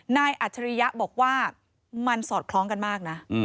อัจฉริยะบอกว่ามันสอดคล้องกันมากนะ